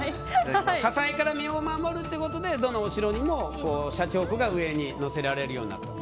火災から身を守るということでどのお城にもしゃちほこが上に乗せられるようになったと。